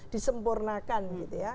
disempurnakan gitu ya